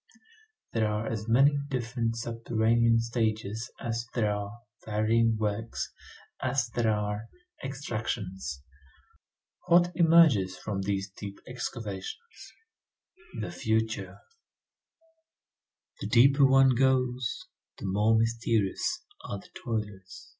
There are as many different subterranean stages as there are varying works, as there are extractions. What emerges from these deep excavations? The future. The deeper one goes, the more mysterious are the toilers.